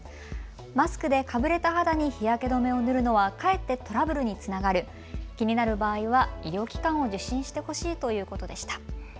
マスクでかぶれた肌に日焼け止めを塗るのはかえってトラブルにつながる気、になる場合は医療機関を受診してほしいということでした。